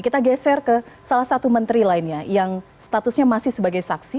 kita geser ke salah satu menteri lainnya yang statusnya masih sebagai saksi